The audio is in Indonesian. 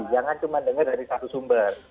jangan cuma dengar dari satu sumber